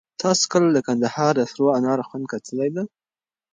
تاسو کله د کندهار د سرو انار خوند کتلی دی؟